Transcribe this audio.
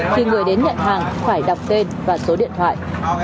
khi người đến nhận hàng phải đọc tên và số điện thoại